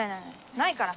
ないから！